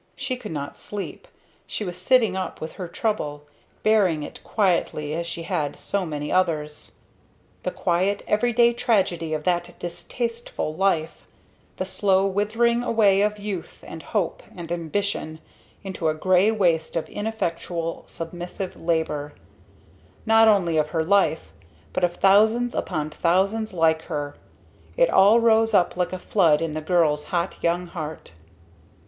She could not sleep she was sitting up with her trouble, bearing it quietly as she had so many others. The quiet everyday tragedy of that distasteful life the slow withering away of youth and hope and ambition into a gray waste of ineffectual submissive labor not only of her life, but of thousands upon thousands like her it all rose up like a flood in the girl's hot young heart.